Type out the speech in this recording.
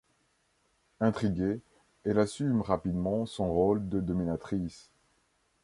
Intriguée, elle assume rapidement son rôle de dominatrice.